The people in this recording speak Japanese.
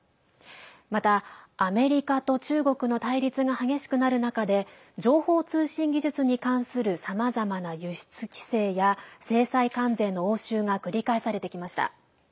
また、アメリカと中国の対立が激しくなる中で情報通信技術に関するさまざまな輸出規制や制裁関税の応酬が繰り返されてきました。